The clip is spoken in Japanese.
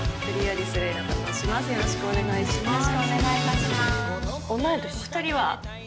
お願いします。